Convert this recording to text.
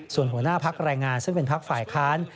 ส่วนหัวหน้าพักแรงงานซึ่งเป็นพักฝ่ายค้าน